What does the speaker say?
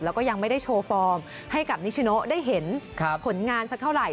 แล้วก็ยังไม่ได้โชว์ฟอร์มให้กับนิชโนได้เห็นผลงานสักเท่าไหร่